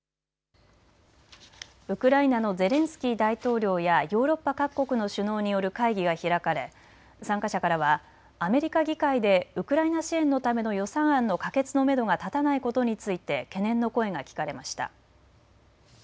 ウクライナのゼレンスキー大統領やヨーロッパ各国の首脳による会議が開かれ参加者からはアメリカ議会でウクライナ支援のための予算案の可決のめどが立たないことについて懸念の声が聞かれました。